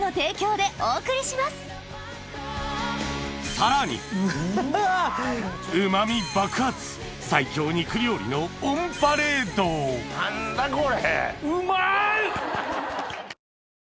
さらに旨み爆発最強肉料理のオンパレード何だこれ！